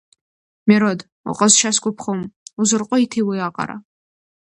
Мирод, уҟазшьа сгәаԥхом, узырҟәиҭи уиаҟара?